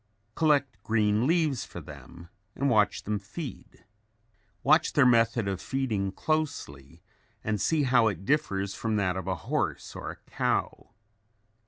Collect green leaves for them and watch them feed. Watch their method of feeding closely and see how it differs from that of a horse or a cow.